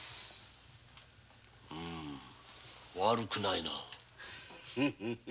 うん悪くないな。